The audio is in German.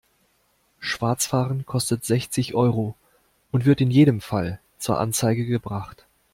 Schwarzfahren kostet sechzig Euro und wird in jedem Fall zur Anzeige gebracht.